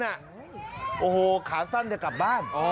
นักเรียงมัธยมจะกลับบ้าน